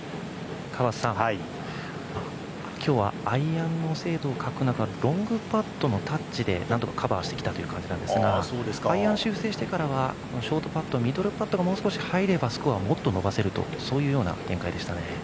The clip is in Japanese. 今日はアイアンの精度を欠く中ロングパットのタッチで、なんとかカバーしてきたという感じなんですがアイアン修正してからはショートパット、ミドルパットの修正がもう少し入れば、スコアがもっと伸ばせるという展開でしたね。